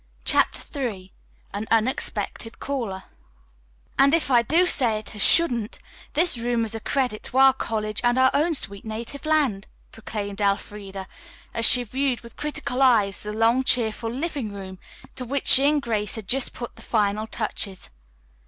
CHAPTER III AN UNEXPECTED CALLER "'And if I do say it as shouldn't,' this room is a credit to our college and our own sweet native land," proclaimed Elfreda, as she viewed with critical eyes the long cheerful living room, to which she and Grace had just put the final touches.